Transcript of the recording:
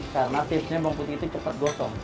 karena tipnya bawang putih itu cepat gotong